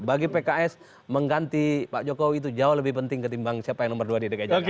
bagi pks mengganti pak jokowi itu jauh lebih penting ketimbang siapa yang nomor dua di dki jakarta